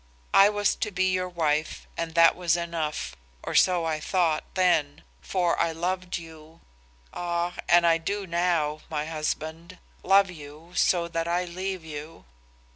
I was to be your wife and that was enough, or so I thought then, for I loved you. Ah, and I do now, my husband, love you so that I leave you.